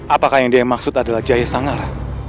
apakah yang dia maksud adalah jaya sangar